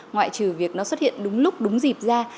ngoại trừ việc nó xuất hiện đúng lúc đúng dịp ra